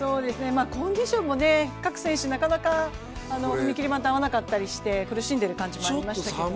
コンディションも各選手踏み切り合わなかったりして苦しんでいる感じもありましたけど。